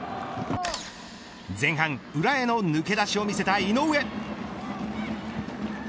前半、裏への抜け出しを見せた井上。